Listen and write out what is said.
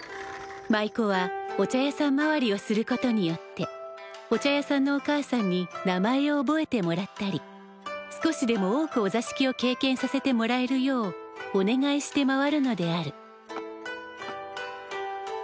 舞妓はお茶屋さん回りをすることによってお茶屋さんのおかあさんに名前を覚えてもらったり少しでも多くお座敷を経験させてもらえるようお願いして回るのである。